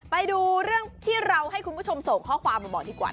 ไปดูเรื่องที่เราให้คุณผู้ชมส่งข้อความมาบอกดีกว่า